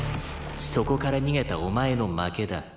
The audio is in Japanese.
「そこから逃げたお前の負けだ」